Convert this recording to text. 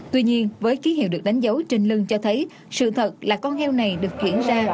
tuy nhiên với ký hiệu được đánh dấu trên lưng cho thấy sự thật là con heo này được chuyển ra